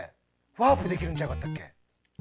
ワープできるんちゃうかったっけ？